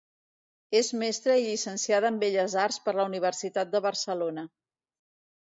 És mestra i llicenciada en Belles Arts per la Universitat de Barcelona.